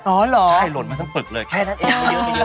อ๋อเหรอใช่ลดมาทั้งปลึกเลยแค่นั้นเองไม่เยอะ